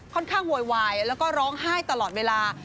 ค่อนข้างหวยวายแล้วก็ร้องไห้ตลอดเวลา